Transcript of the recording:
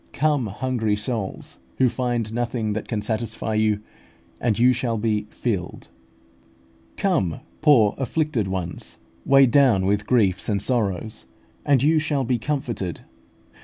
ii. 13). Come, hungry souls, who find nothing that can satisfy you, and you shall be filled. Come, poor afflicted ones, weighed down with griefs and sorrows, and you shall be comforted.